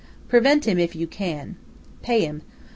Prevent him if you can. Pay him.